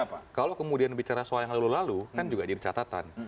nah kalau kemudian bicara soal yang lalu lalu kan juga jadi catatan